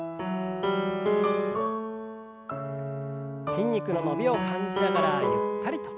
筋肉の伸びを感じながらゆったりと。